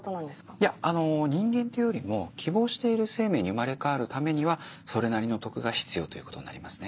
いや人間っていうよりも希望している生命に生まれ変わるためにはそれなりの徳が必要ということになりますね。